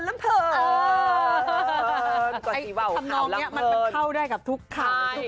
คำนองนี้เข้าได้กับทุกคำ